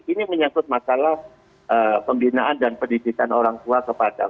ini menyangkut masalah pembinaan dan pendidikan orang tua kepada